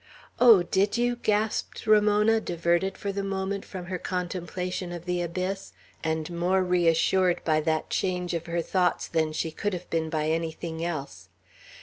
"Oh, did you?" gasped Ramona, diverted, for the moment, from her contemplation of the abyss, and more reassured by that change of her thoughts than she could have been by anything else.